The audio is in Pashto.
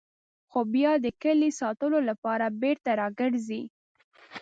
خو بیا د کلي ساتلو لپاره بېرته راګرځي.